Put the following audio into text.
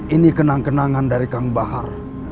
ini kenang kenangan dari kang bahar